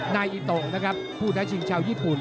นายอิโตนะครับผู้ท้าชิงชาวญี่ปุ่น